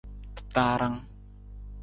Tataarang.